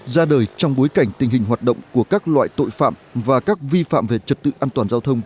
ra đời trong bối cảnh tình hình hoạt động của các loại tội phạm và các vi phạm về trật tự an toàn giao thông